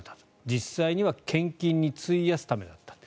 実際には献金に費やすためだった。